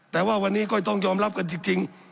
แต่ว่าวันนี้ก็ต้องยอมรับกันจริง